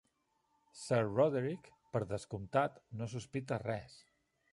Sir Roderick, per descomptat, no sospita res.